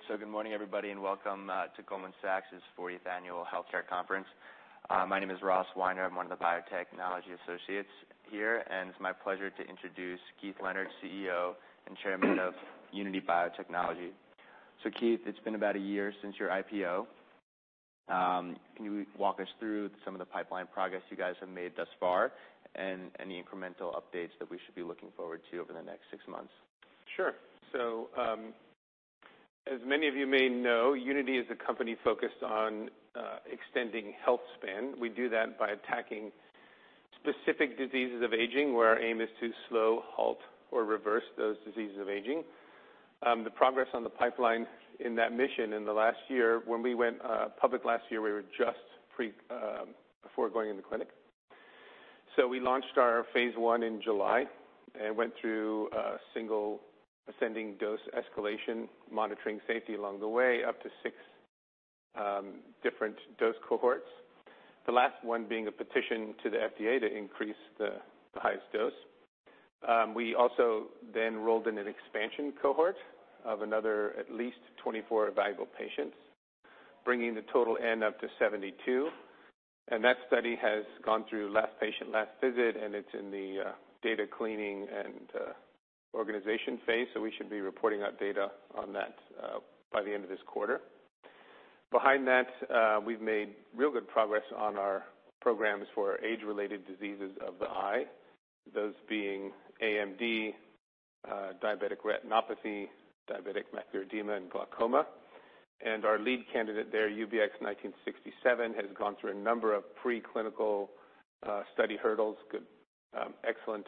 Great. Good morning, everybody, and welcome to Goldman Sachs's 40th Annual Healthcare Conference. My name is Ross Weiner. I am one of the biotechnology associates here, and it is my pleasure to introduce Keith Leonard, CEO and Chairman of Unity Biotechnology. Keith, it has been about a year since your IPO. Can you walk us through some of the pipeline progress you guys have made thus far and any incremental updates that we should be looking forward to over the next six months? Sure. As many of you may know, Unity is a company focused on extending healthspan. We do that by attacking specific diseases of aging, where our aim is to slow, halt, or reverse those diseases of aging. The progress on the pipeline in that mission in the last year, when we went public last year, we were just before going into clinic. We launched our phase I in July and went through a single ascending-dose escalation, monitoring safety along the way, up to six different dose cohorts, the last one being a petition to the FDA to increase the highest dose. We also then enrolled in an expansion cohort of another at least 24 evaluable patients, bringing the total N up to 72. That study has gone through last patient, last visit, and it is in the data cleaning and organization phase. We should be reporting our data on that by the end of this quarter. Behind that, we have made real good progress on our programs for age-related diseases of the eye, those being AMD, diabetic retinopathy, diabetic macular edema, and glaucoma. Our lead candidate there, UBX1325, has gone through a number of preclinical study hurdles. Excellent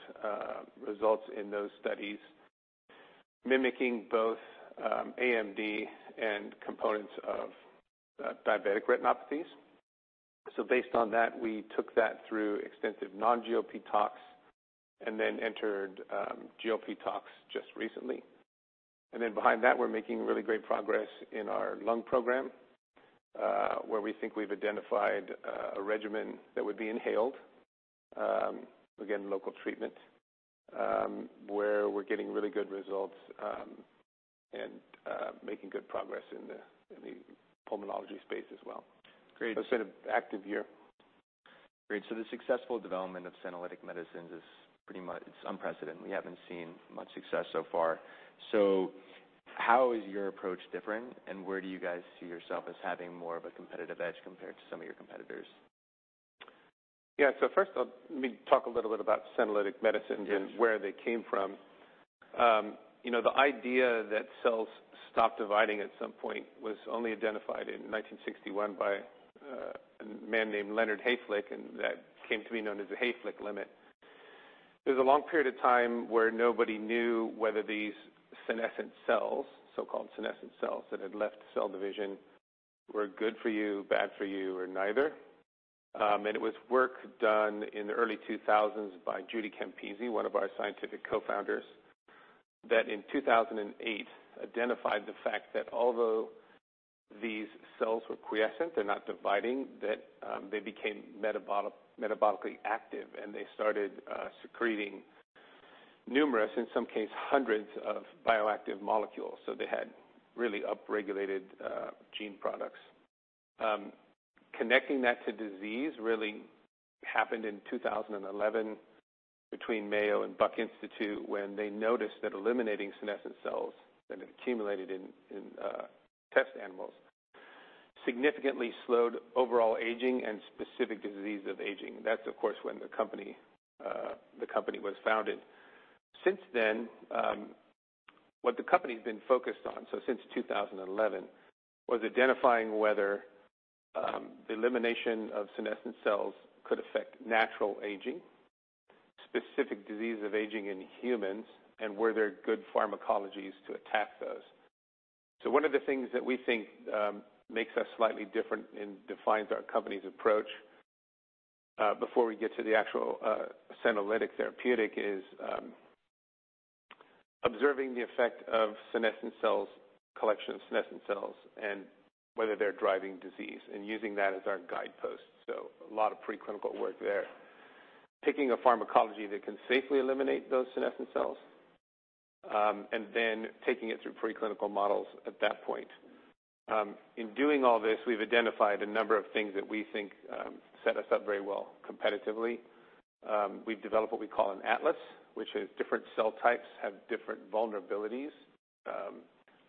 results in those studies, mimicking both AMD and components of diabetic retinopathies. Based on that, we took that through extensive non-GLP tox and then entered GLP tox just recently. Behind that, we are making really great progress in our lung program, where we think we have identified a regimen that would be inhaled. Again, local treatment, where we are getting really good results, and making good progress in the pulmonology space as well. Great. It has been an active year. Great. The successful development of senolytic medicines is pretty much unprecedented. We haven't seen much success so far. How is your approach different, and where do you guys see yourself as having more of a competitive edge compared to some of your competitors? Yeah. First, let me talk a little bit about senolytic medicines. Yes Where they came from. The idea that cells stop dividing at some point was only identified in 1961 by a man named Leonard Hayflick, and that came to be known as the Hayflick limit. There was a long period of time where nobody knew whether these senescent cells, so-called senescent cells that had left cell division, were good for you, bad for you, or neither. It was work done in the early 2000s by Judy Campisi, one of our scientific co-founders, that in 2008 identified the fact that although these cells were quiescent, they're not dividing, that they became metabolically active, and they started secreting numerous, in some case, hundreds of bioactive molecules. They had really upregulated gene products. Connecting that to disease really happened in 2011 between Mayo and Buck Institute, when they noticed that eliminating senescent cells that have accumulated in test animals significantly slowed overall aging and specific diseases of aging. That's, of course, when the company was founded. Since then, what the company's been focused on, since 2011, was identifying whether the elimination of senescent cells could affect natural aging, specific diseases of aging in humans, and were there good pharmacologies to attack those. One of the things that we think makes us slightly different and defines our company's approach, before we get to the actual senolytic therapeutic, is observing the effect of collection of senescent cells and whether they're driving disease and using that as our guidepost. A lot of preclinical work there. Picking a pharmacology that can safely eliminate those senescent cells, then taking it through preclinical models at that point. In doing all this, we've identified a number of things that we think set us up very well competitively. We've developed what we call an atlas, which is different cell types have different vulnerabilities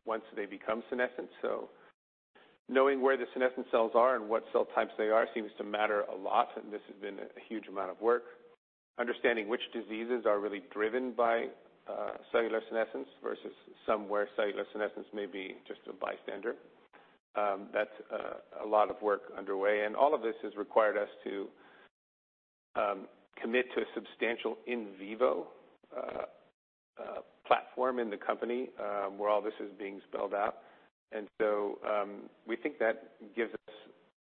once they become senescent. Knowing where the senescent cells are and what cell types they are seems to matter a lot, and this has been a huge amount of work. Understanding which diseases are really driven by cellular senescence versus some where cellular senescence may be just a bystander. That's a lot of work underway, and all of this has required us to commit to a substantial in vivo platform in the company, where all this is being spelled out. We think that gives us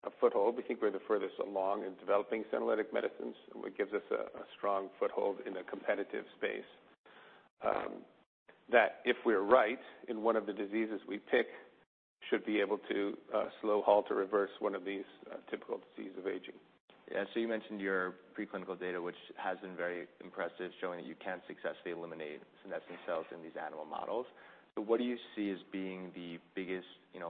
a foothold. We think we're the furthest along in developing senolytic medicines, and it gives us a strong foothold in a competitive space, that if we're right in one of the diseases we pick, should be able to slow, halt, or reverse one of these typical diseases of aging. You mentioned your preclinical data, which has been very impressive, showing that you can successfully eliminate senescent cells in these animal models. What do you see as being the biggest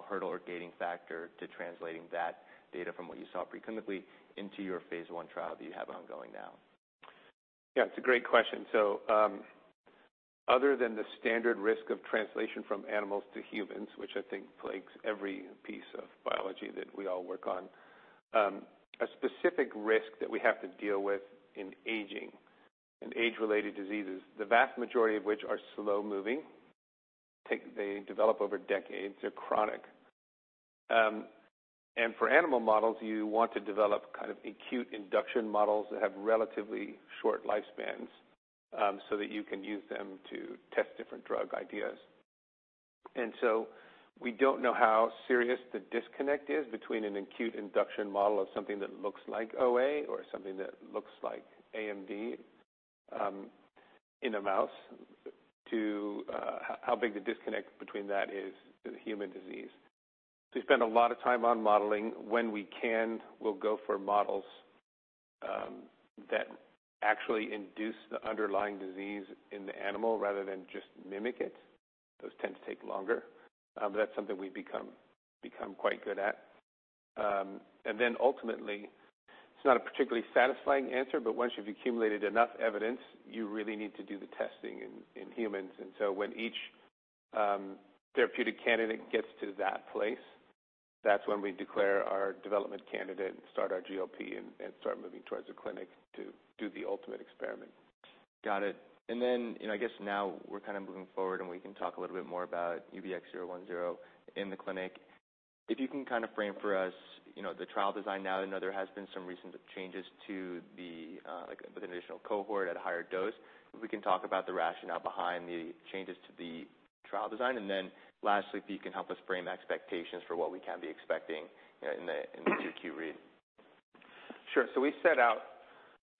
hurdle or gating factor to translating that data from what you saw preclinically into your phase I trial that you have ongoing now? Yeah, it's a great question. Other than the standard risk of translation from animals to humans, which I think plagues every piece of biology that we all work on, a specific risk that we have to deal with in aging and age-related diseases, the vast majority of which are slow-moving. They develop over decades. They're chronic. For animal models, you want to develop acute induction models that have relatively short lifespans, so that you can use them to test different drug ideas. We don't know how serious the disconnect is between an acute induction model of something that looks like OA or something that looks like AMD in a mouse, to how big the disconnect between that is to the human disease. We spend a lot of time on modeling. When we can, we'll go for models that actually induce the underlying disease in the animal rather than just mimic it. Those tend to take longer. That's something we've become quite good at. Ultimately, it's not a particularly satisfying answer, but once you've accumulated enough evidence, you really need to do the testing in humans. When each therapeutic candidate gets to that place, that's when we declare our development candidate and start our GLP and start moving towards the clinic to do the ultimate experiment. Got it. I guess now we're kind of moving forward, and we can talk a little bit more about UBX0101 in the clinic. If you can kind of frame for us the trial design now. I know there has been some recent changes to the, with an additional cohort at a higher dose. If we can talk about the rationale behind the changes to the trial design. Lastly, if you can help us frame expectations for what we can be expecting in the Q2 read. Sure. We set out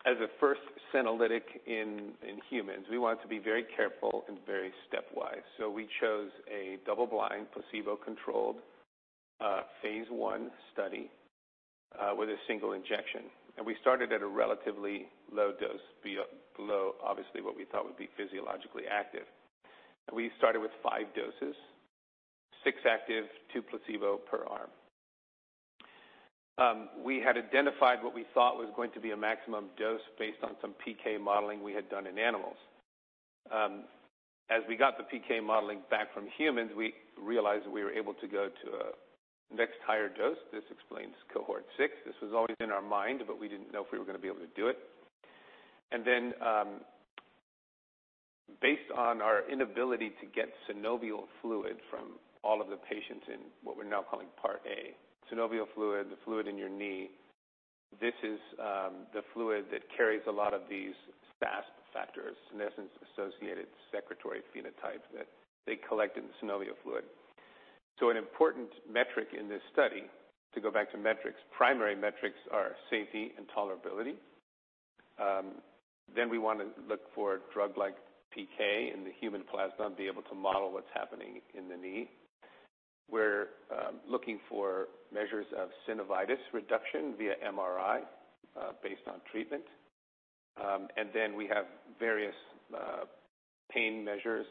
as a first senolytic in humans. We wanted to be very careful and very stepwise. We chose a double-blind, placebo-controlled phase I study with a single injection. We started at a relatively low dose, below obviously what we thought would be physiologically active. We started with five doses, six active, two placebo per arm. We had identified what we thought was going to be a maximum dose based on some PK modeling we had done in animals. As we got the PK modeling back from humans, we realized that we were able to go to a next higher dose. This explains cohort 6. This was always in our mind, but we didn't know if we were going to be able to do it. Based on our inability to get synovial fluid from all of the patients in what we're now calling Part A. Synovial fluid, the fluid in your knee, this is the fluid that carries a lot of these SASP factors, senescence-associated secretory phenotype, that they collect in the synovial fluid. An important metric in this study, to go back to metrics, primary metrics are safety and tolerability. We want to look for drug-like PK in the human plasma and be able to model what's happening in the knee. We're looking for measures of synovitis reduction via MRI, based on treatment. We have various pain measures,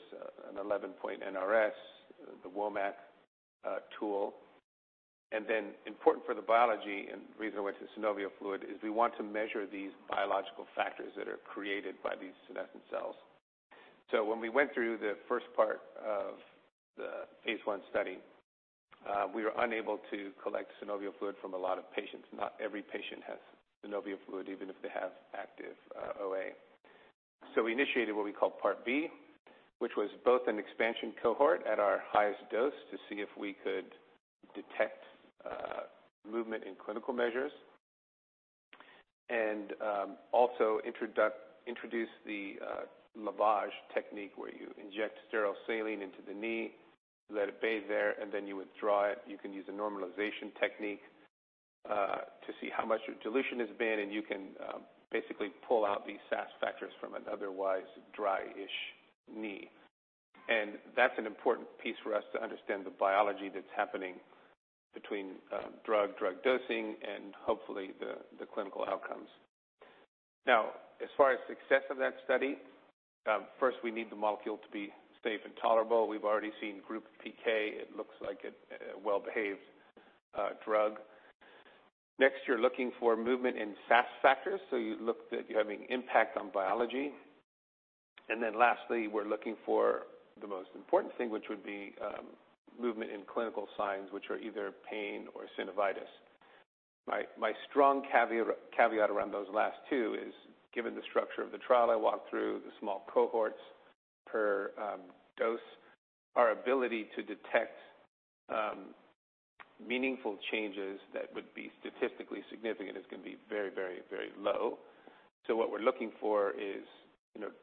an 11-point NRS, the WOMAC tool. Important for the biology, and the reason I went to synovial fluid, is we want to measure these biological factors that are created by these senescent cells. When we went through the first part of the phase I study, we were unable to collect synovial fluid from a lot of patients. Not every patient has synovial fluid, even if they have active OA. We initiated what we call Part B, which was both an expansion cohort at our highest dose to see if we could detect movement in clinical measures. Also introduced the lavage technique, where you inject sterile saline into the knee, let it bathe there, and then you withdraw it. You can use a normalization technique to see how much dilution there's been, and you can basically pull out these SASP factors from an otherwise dry-ish knee. That is an important piece for us to understand the biology that is happening between drug dosing and hopefully the clinical outcomes. As far as success of that study, first, we need the molecule to be safe and tolerable. We have already seen group PK. It looks like a well-behaved drug. Next, you are looking for movement in SASP factors. You look that you are having impact on biology. Then lastly, we are looking for the most important thing, which would be movement in clinical signs, which are either pain or synovitis. My strong caveat around those last two is, given the structure of the trial I walked through, the small cohorts per dose, our ability to detect meaningful changes that would be statistically significant is going to be very low. What we are looking for is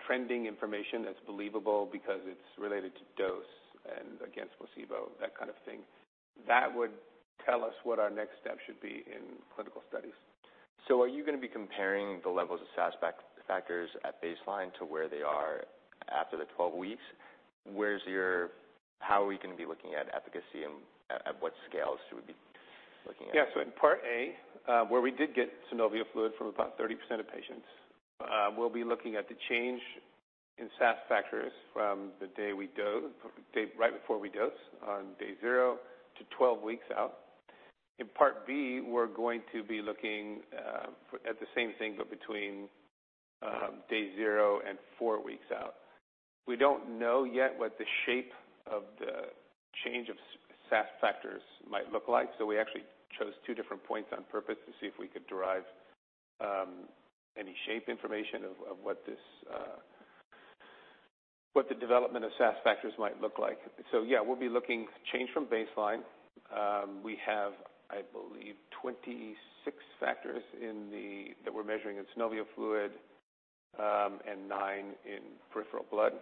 trending information that is believable because it is related to dose and against placebo, that kind of thing. That would tell us what our next step should be in clinical studies. Are you going to be comparing the levels of SASP factors at baseline to where they are after the 12 weeks? How are we going to be looking at efficacy, and at what scales should we be looking at? Yes. In Part A, where we did get synovial fluid from about 30% of patients, we will be looking at the change in SASP factors from right before we dose on day 0 to 12 weeks out. In Part B, we are going to be looking at the same thing, but between day 0 and four weeks out. We do not know yet what the shape of the change of SASP factors might look like. We actually chose two different points on purpose to see if we could derive any shape information of what the development of SASP factors might look like. Yes, we will be looking change from baseline. We have, I believe, 26 factors that we are measuring in synovial fluid, and nine in peripheral blood.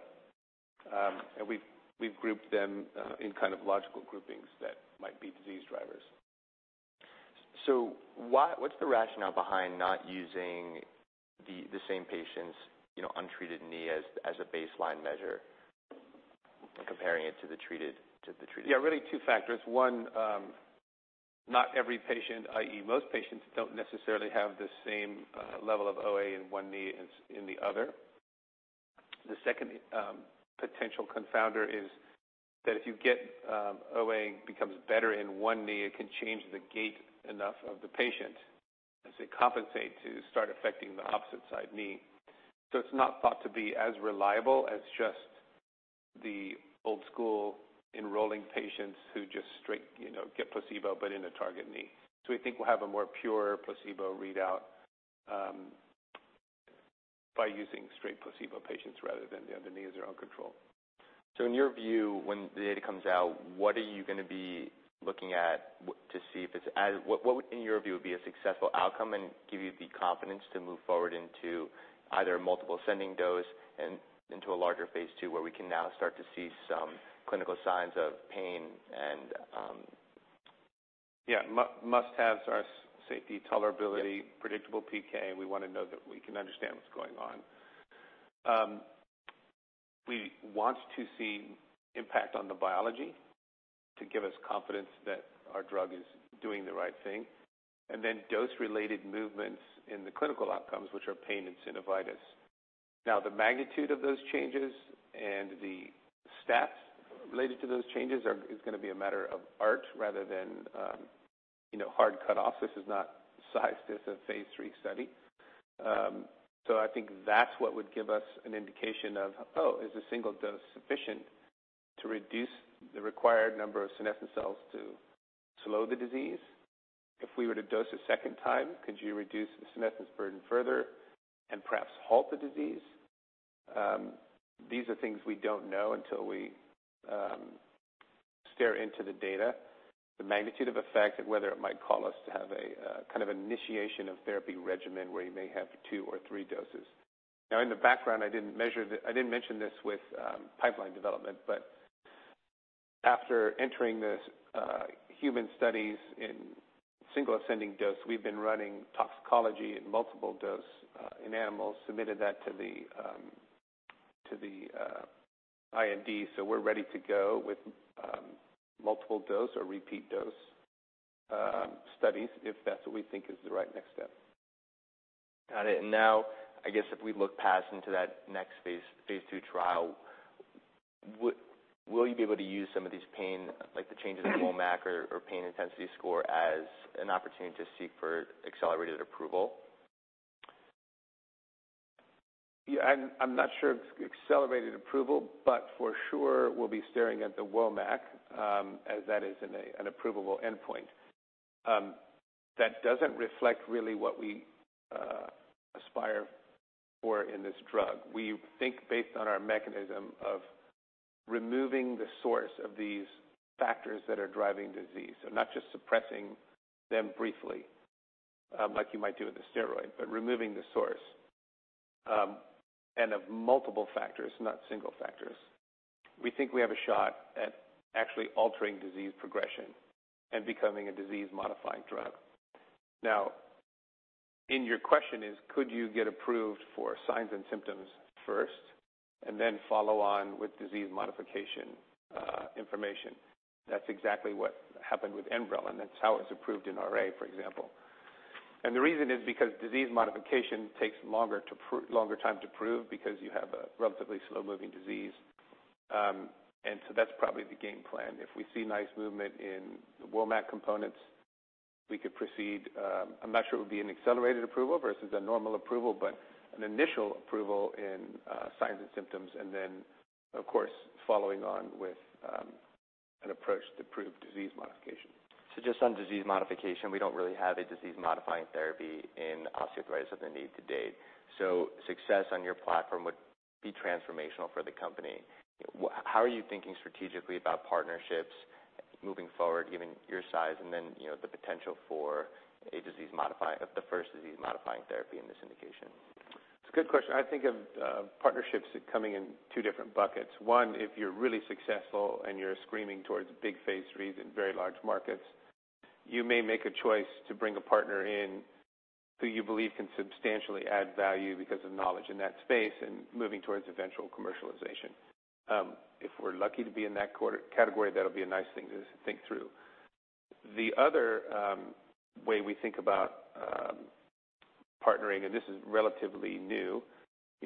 And we have grouped them in logical groupings that might be disease drivers. What's the rationale behind not using the same patient's untreated knee as a baseline measure and comparing it to the treated? Really two factors. One, not every patient, i.e. most patients don't necessarily have the same level of OA in one knee as in the other. The second potential confounder is that if you get OA becomes better in one knee, it can change the gait enough of the patient as they compensate to start affecting the opposite side knee. It's not thought to be as reliable as just the old school enrolling patients who just get placebo, but in a target knee. We think we'll have a more pure placebo readout by using straight placebo patients rather than the other knees are uncontrolled. In your view, when the data comes out, what are you going to be looking at to see if it's What would, in your view, be a successful outcome and give you the confidence to move forward into either multiple ascending dose and into a larger phase II where we can now start to see some clinical signs of pain and. Must haves are safety, tolerability. Yep predictable PK. We want to know that we can understand what's going on. We want to see impact on the biology to give us confidence that our drug is doing the right thing. Then dose-related movements in the clinical outcomes, which are pain and synovitis. The magnitude of those changes and the stats related to those changes is going to be a matter of art rather than hard cutoffs. This is not size, this is a phase III study. I think that's what would give us an indication of, is a single dose sufficient to reduce the required number of senescent cells to slow the disease? If we were to dose a second time, could you reduce the senescence burden further and perhaps halt the disease? These are things we don't know until we stare into the data. The magnitude of effect and whether it might call us to have a kind of initiation of therapy regimen where you may have two or three doses. In the background, I didn't mention this with pipeline development, but after entering the human studies in single ascending dose, we've been running toxicology in multiple dose in animals, submitted that to the IND. We're ready to go with multiple dose or repeat dose studies, if that's what we think is the right next step. Got it. Now, I guess if we look past into that next phase II trial, will you be able to use some of these pain, like the changes in WOMAC or pain intensity score, as an opportunity to seek for accelerated approval? I'm not sure if accelerated approval, for sure we'll be staring at the WOMAC, as that is an approvable endpoint. That doesn't reflect really what we aspire for in this drug. We think based on our mechanism of removing the source of these factors that are driving disease, so not just suppressing them briefly, like you might do with a steroid, but removing the source. Of multiple factors, not single factors. We think we have a shot at actually altering disease progression and becoming a disease-modifying drug. In your question is, could you get approved for signs and symptoms first and then follow on with disease modification information? That's exactly what happened with Enbrel, and that's how it's approved in RA, for example. The reason is because disease modification takes a longer time to prove because you have a relatively slow-moving disease. That's probably the game plan. If we see nice movement in the WOMAC components, we could proceed. I'm not sure it would be an accelerated approval versus a normal approval, but an initial approval in signs and symptoms and then, of course, following on with an approach to prove disease modification. Just on disease modification, we don't really have a disease-modifying therapy in osteoarthritis of the knee to date. Success on your platform would be transformational for the company. How are you thinking strategically about partnerships moving forward, given your size and then the potential for the first disease-modifying therapy in this indication? It's a good question. I think of partnerships coming in two different buckets. One, if you're really successful and you're screaming towards big phase III in very large markets. You may make a choice to bring a partner in who you believe can substantially add value because of knowledge in that space and moving towards eventual commercialization. If we're lucky to be in that category, that'll be a nice thing to think through. The other way we think about partnering, and this is relatively new,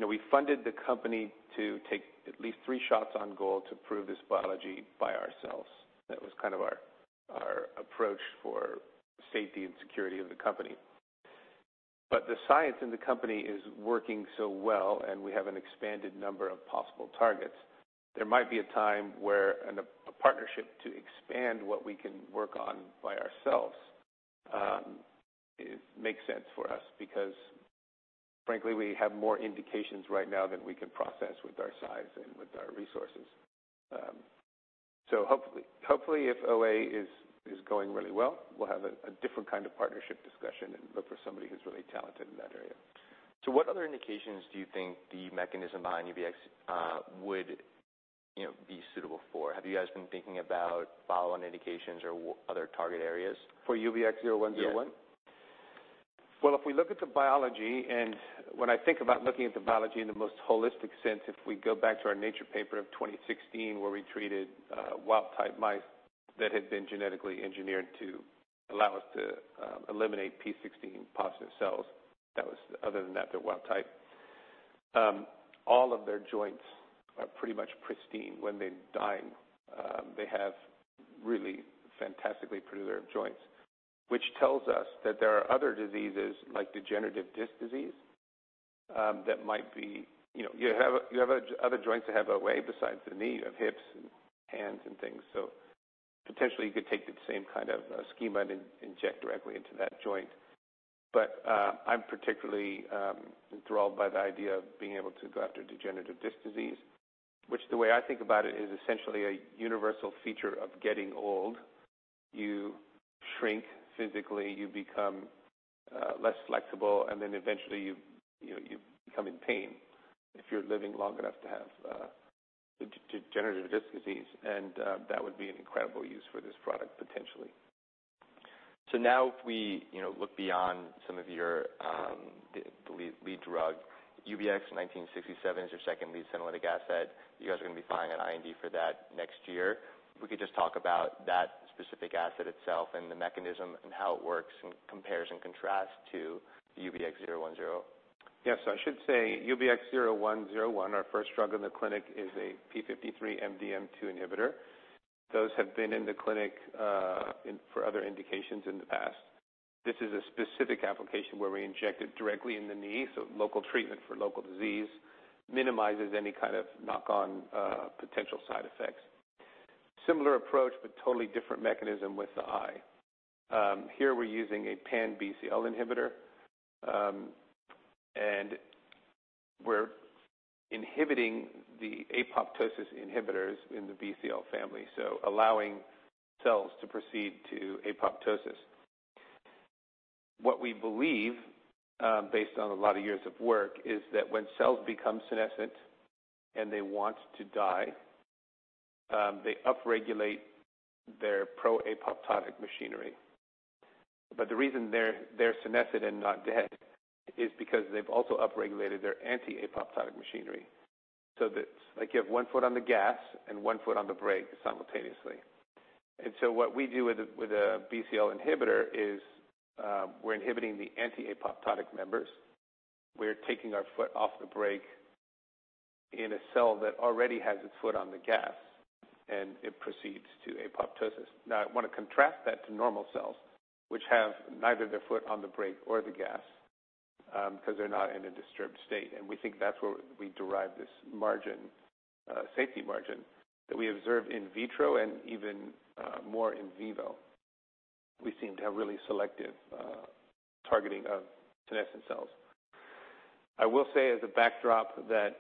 we funded the company to take at least three shots on goal to prove this biology by ourselves. That was kind of our approach for safety and security of the company. The science in the company is working so well, and we have an expanded number of possible targets. There might be a time where a partnership to expand what we can work on by ourselves makes sense for us because, frankly, we have more indications right now than we can process with our size and with our resources. Hopefully, if OA is going really well, we'll have a different kind of partnership discussion and look for somebody who's really talented in that area. What other indications do you think the mechanism behind UBX would be suitable for? Have you guys been thinking about follow-on indications or other target areas? For UBX0101? Yeah. If we look at the biology, and when I think about looking at the biology in the most holistic sense, if we go back to our Nature paper of 2016 where we treated wild-type mice that had been genetically engineered to allow us to eliminate P16-positive cells, other than that, they're wild type. All of their joints are pretty much pristine when they die. They have really fantastically preserved joints. Which tells us that there are other diseases, like degenerative disc disease. You have other joints that have OA besides the knee. You have hips and hands and things. Potentially, you could take the same kind of schema and inject directly into that joint. I'm particularly enthralled by the idea of being able to go after degenerative disc disease, which the way I think about it is essentially a universal feature of getting old. You shrink physically, you become less flexible, eventually you come in pain, if you're living long enough to have degenerative disc disease. That would be an incredible use for this product, potentially. Now if we look beyond some of your lead drug, UBX1325 is your second lead senolytic asset. You guys are going to be filing an IND for that next year. If we could just talk about that specific asset itself and the mechanism and how it works in comparison contrast to the UBX0101. Yeah. I should say UBX0101, our first drug in the clinic, is a p53-MDM2 inhibitor. Those have been in the clinic for other indications in the past. This is a specific application where we inject it directly in the knee, local treatment for local disease minimizes any kind of knock-on potential side effects. Similar approach, but totally different mechanism with the eye. Here we're using a pan-Bcl inhibitor. We're inhibiting the apoptosis inhibitors in the Bcl family, allowing cells to proceed to apoptosis. What we believe, based on a lot of years of work, is that when cells become senescent and they want to die, they upregulate their pro-apoptotic machinery. The reason they're senescent and not dead is because they've also upregulated their anti-apoptotic machinery. That's like you have one foot on the gas and one foot on the brake simultaneously. What we do with a Bcl inhibitor is, we're inhibiting the anti-apoptotic members. We're taking our foot off the brake in a cell that already has its foot on the gas, and it proceeds to apoptosis. I want to contrast that to normal cells, which have neither their foot on the brake or the gas, because they're not in a disturbed state. We think that's where we derive this safety margin that we observe in vitro and even more in vivo. We seem to have really selective targeting of senescent cells. I will say as a backdrop that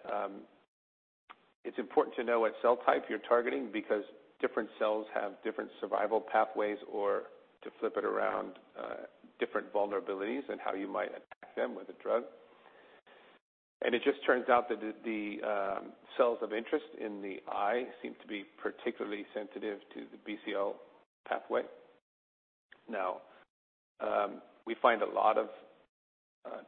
it's important to know what cell type you're targeting because different cells have different survival pathways, or to flip it around, different vulnerabilities and how you might attack them with a drug. It just turns out that the cells of interest in the eye seem to be particularly sensitive to the Bcl pathway. We find a lot of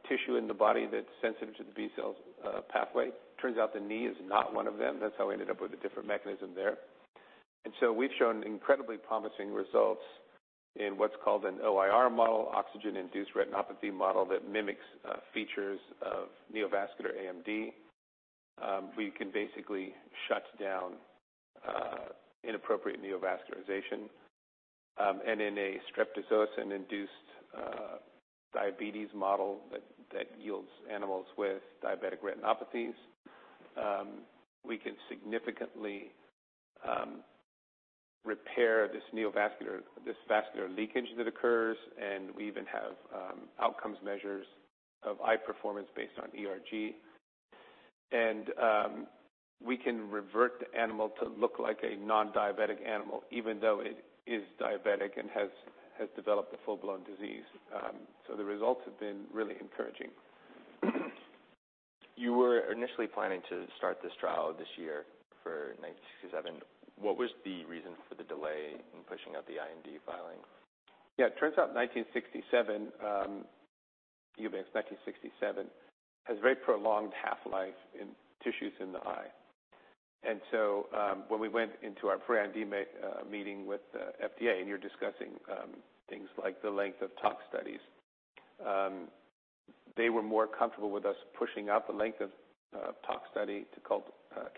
tissue in the body that's sensitive to the Bcl pathway. Turns out the knee is not one of them. That's how we ended up with a different mechanism there. We've shown incredibly promising results in what's called an OIR model, oxygen-induced retinopathy model that mimics features of neovascular AMD. We can basically shut down inappropriate neovascularization. In a streptozotocin-induced diabetes model that yields animals with diabetic retinopathies, we can significantly repair this vascular leakage that occurs, and we even have outcomes measures of eye performance based on ERG. We can revert the animal to look like a non-diabetic animal, even though it is diabetic and has developed a full-blown disease. The results have been really encouraging. You were initially planning to start this trial this year for UBX1967. What was the reason for the delay in pushing out the IND filing? It turns out UBX1967 has very prolonged half-life in tissues in the eye. When we went into our pre-IND meeting with FDA, and you're discussing things like the length of tox studies, they were more comfortable with us pushing out the length of tox study to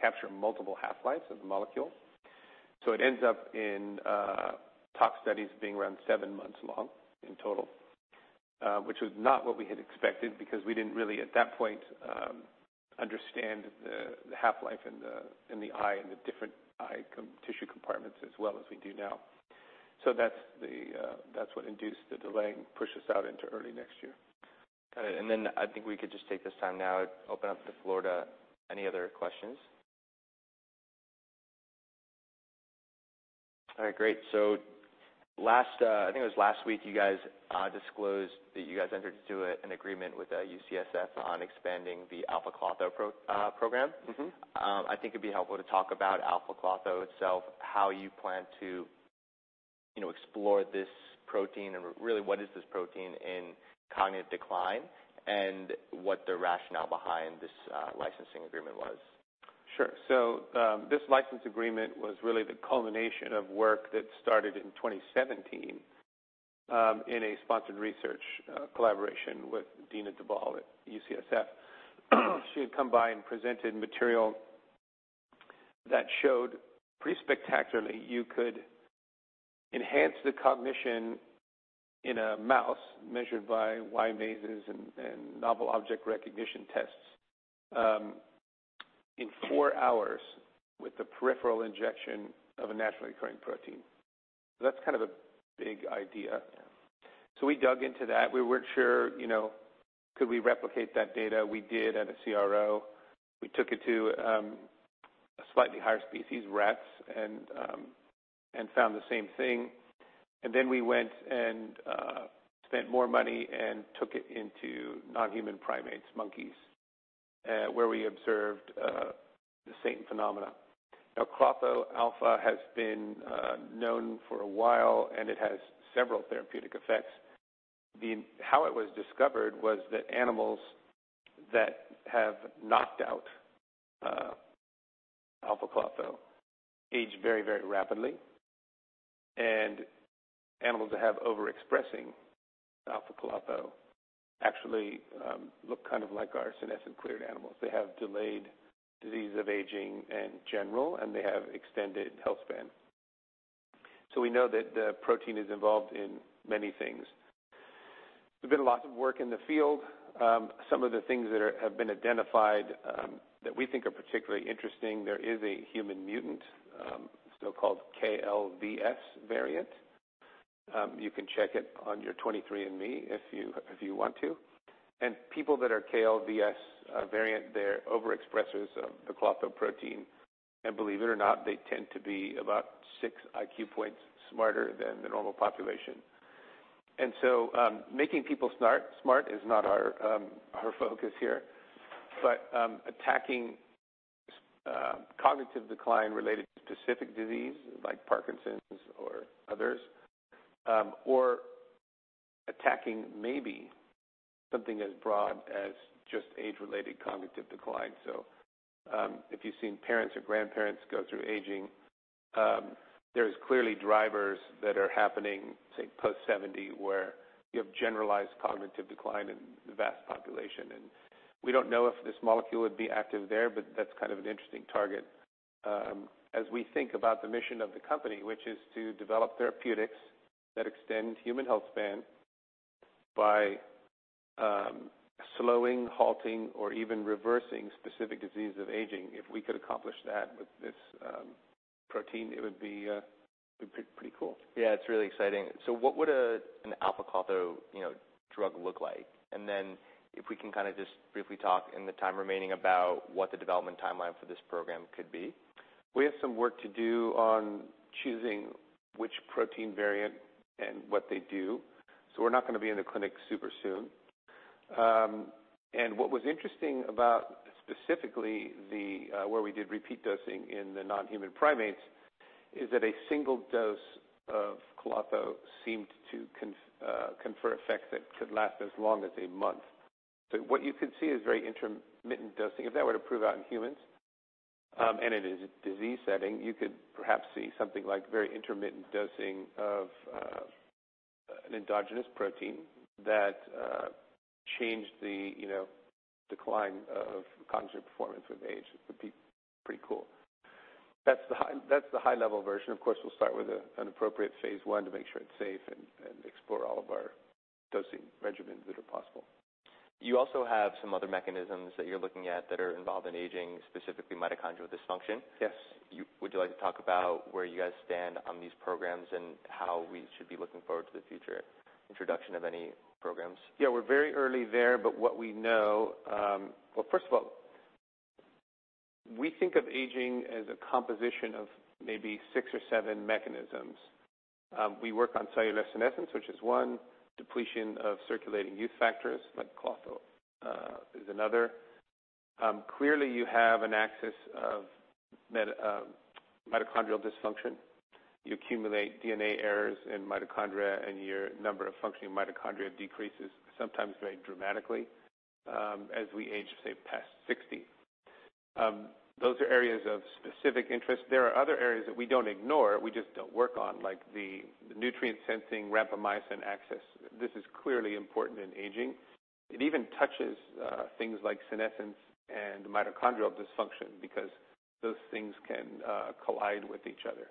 capture multiple half-lives of the molecule. It ends up in tox studies being around seven months long in total. Which was not what we had expected because we didn't really, at that point, understand the half-life in the eye and the different eye tissue compartments as well as we do now. That's what induced the delay and pushed us out into early next year. Got it. I think we could just take this time now, open up the floor to any other questions. All right, great. I think it was last week you guys disclosed that you guys entered into an agreement with UCSF on expanding the alpha-klotho program. I think it'd be helpful to talk about alpha-klotho itself, how you plan to explore this protein, and really what is this protein in cognitive decline, and what the rationale behind this licensing agreement was. This license agreement was really the culmination of work that started in 2017, in a sponsored research collaboration with Dena Dubal at UCSF. She had come by and presented material that showed pretty spectacularly, you could enhance the cognition in a mouse measured by Y mazes and novel object recognition tests, in four hours with the peripheral injection of a naturally occurring protein. That's kind of a big idea. We dug into that. We weren't sure, could we replicate that data? We did at a CRO. We took it to a slightly higher species, rats, and found the same thing. We went and spent more money and took it into non-human primates, monkeys, where we observed the same phenomena. alpha-klotho has been known for a while, and it has several therapeutic effects. How it was discovered was that animals that have knocked out alpha-klotho age very, very rapidly. Animals that have overexpressing alpha-klotho actually look kind of like our senescent cleared animals. They have delayed disease of aging in general, and they have extended healthspan. We know that the protein is involved in many things. There's been lots of work in the field. Some of the things that have been identified, that we think are particularly interesting, there is a human mutant, so-called KL-VS variant. You can check it on your 23andMe if you want to. People that are KL-VS variant, they're overexpressors of the klotho protein. Believe it or not, they tend to be about six IQ points smarter than the normal population. Making people smart is not our focus here, but attacking cognitive decline related to specific disease like Parkinson's or others. Attacking maybe something as broad as just age-related cognitive decline. If you've seen parents or grandparents go through aging, there's clearly drivers that are happening, say, post 70, where you have generalized cognitive decline in the vast population. We don't know if this molecule would be active there, but that's kind of an interesting target. As we think about the mission of the company, which is to develop therapeutics that extend human healthspan by slowing, halting, or even reversing specific diseases of aging. If we could accomplish that with this protein, it would be pretty cool. Yeah, it's really exciting. What would an alpha-klotho drug look like? If we can just briefly talk in the time remaining about what the development timeline for this program could be. We have some work to do on choosing which protein variant and what they do. We're not going to be in the clinic super soon. What was interesting about specifically where we did repeat dosing in the non-human primates, is that a single dose of alpha-klotho seemed to confer effects that could last as long as a month. What you could see is very intermittent dosing. If that were to prove out in humans, and in a disease setting, you could perhaps see something like very intermittent dosing of an endogenous protein that changed the decline of cognitive performance with age. It would be pretty cool. That's the high level version. Of course, we'll start with an appropriate phase I to make sure it's safe and explore all of our dosing regimens that are possible. You also have some other mechanisms that you're looking at that are involved in aging, specifically mitochondrial dysfunction. Yes. Would you like to talk about where you guys stand on these programs and how we should be looking forward to the future introduction of any programs? We're very early there, but we know. We think of aging as a composition of maybe six or seven mechanisms. We work on cellular senescence, which is one. Depletion of circulating youth factors like alpha-klotho is another. Clearly, you have an axis of mitochondrial dysfunction. You accumulate DNA errors in mitochondria, and your number of functioning mitochondria decreases, sometimes very dramatically, as we age, say, past 60. Those are areas of specific interest. There are other areas that we don't ignore, we just don't work on, like the nutrient sensing, rapamycin axis. This is clearly important in aging. It even touches things like senescence and mitochondrial dysfunction because those things can collide with each other.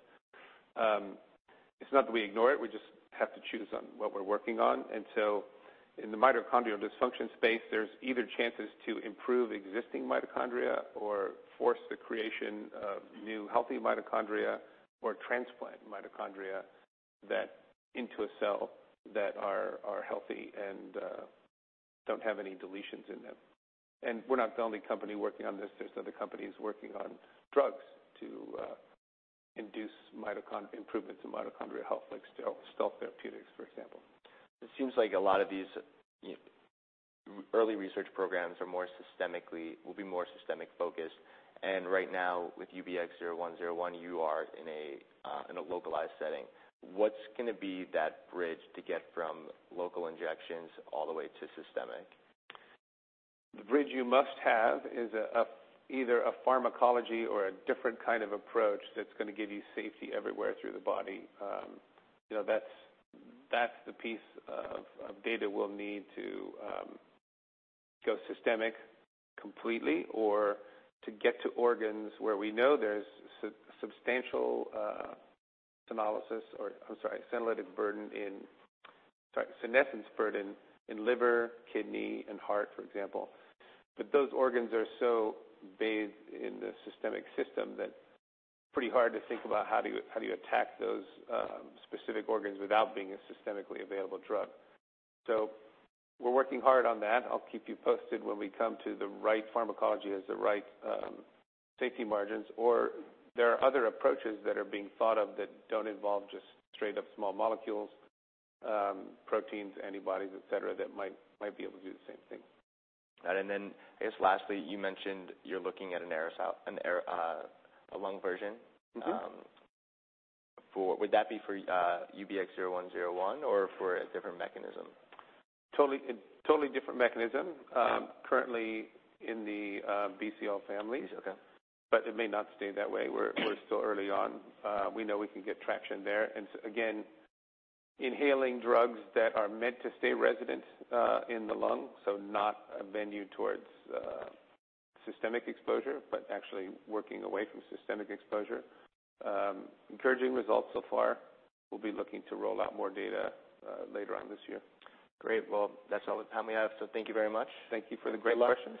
It's not that we ignore it, we just have to choose on what we're working on. In the mitochondrial dysfunction space, there's either chances to improve existing mitochondria or force the creation of new healthy mitochondria or transplant mitochondria into a cell that are healthy and don't have any deletions in them. We're not the only company working on this. There's other companies working on drugs to induce improvements in mitochondrial health, like Stealth BioTherapeutics, for example. It seems like a lot of these early research programs will be more systemic focused. Right now, with UBX0101, you are in a localized setting. What's going to be that bridge to get from local injections all the way to systemic? The bridge you must have is either a pharmacology or a different kind of approach that's going to give you safety everywhere through the body. That's the piece of data we'll need to go systemic completely or to get to organs where we know there's substantial senescence burden in liver, kidney, and heart, for example. Those organs are so bathed in the systemic system that pretty hard to think about how do you attack those specific organs without being a systemically available drug. We're working hard on that. I'll keep you posted when we come to the right pharmacology that has the right safety margins. There are other approaches that are being thought of that don't involve just straight-up small molecules, proteins, antibodies, et cetera, that might be able to do the same thing. I guess lastly, you mentioned you're looking at a lung version. Would that be for UBX0101 or for a different mechanism? Totally different mechanism. Okay. Currently in the Bcl families. Okay. It may not stay that way. We're still early on. We know we can get traction there. Again, inhaling drugs that are meant to stay resident in the lung, so not a venue towards systemic exposure, but actually working away from systemic exposure. Encouraging results so far. We'll be looking to roll out more data later on this year. Great. Well, that's all the time we have. Thank you very much. Thank you for the great questions.